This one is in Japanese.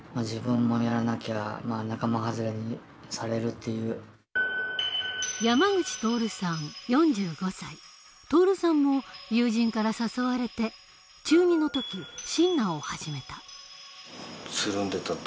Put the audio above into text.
そういうものは求めていたし徹さんも友人から誘われて中２の時シンナーを始めた。